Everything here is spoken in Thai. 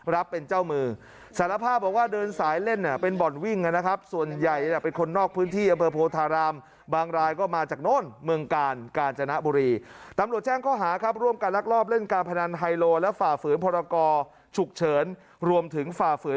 รับเป็นเจ้ามือสารภาพบอกว่าเดินสายเล่น